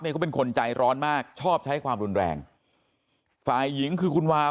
เขาเป็นคนใจร้อนมากชอบใช้ความรุนแรงฝ่ายหญิงคือคุณวาว